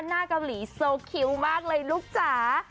หน้าเกาหลีโซคิวมากเลยลูกจ๋า